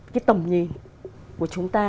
cái tổng nhìn của chúng ta